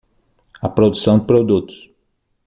A produção de produtos.